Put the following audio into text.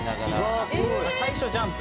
最初ジャンプ。